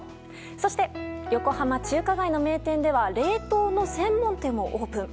そして横浜中華街の名店では冷凍の専門店をオープン。